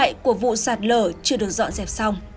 tại của vụ sạt lở chưa được dọn dẹp xong